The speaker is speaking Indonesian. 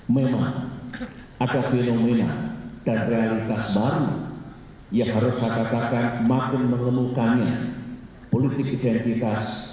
memang ada fenomena dan realitas baru yang harus saya katakan makin menemukannya politik identitas